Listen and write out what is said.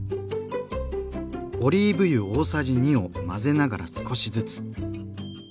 オリーブ油大さじ２を混ぜながら少しずつ。